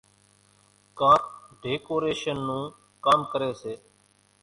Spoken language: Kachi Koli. ڪانڪ ڍيڪوريشنَ نون ڪام ڪريَ سي۔